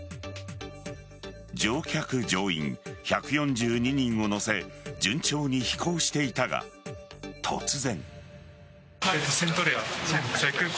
乗客・乗員１４２人を乗せ順調に飛行していたが突然。